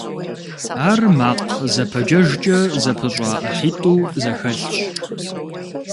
Ар макъ зэпэджэжкӀэ зэпыщӀа ӀыхьитӀу зэхэлъщ.